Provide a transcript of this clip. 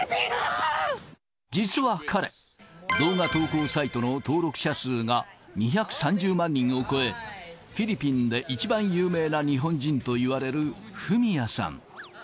実は彼、動画投稿サイトの登録者数が２３０万人を超え、フィリピンで一番有名な日本人といわれる、ふみやさん。